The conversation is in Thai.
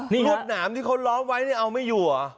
รถหนามที่เขาล้อมไว้เอาไม่อยู่หรอ